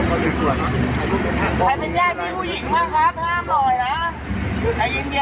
อันนี้ใส่มันมองในใส่มันเป็นแบบนี้